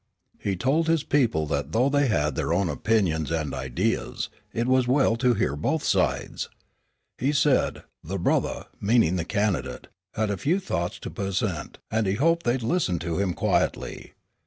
He told his people that though they had their own opinions and ideas, it was well to hear both sides. He said, "The brothah," meaning the candidate, "had a few thoughts to pussent," and he hoped they'd listen to him quietly.